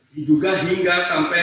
diduga hingga sampai